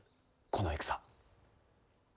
この戦。